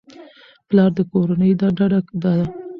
پلار د کورنۍ ډډه ده.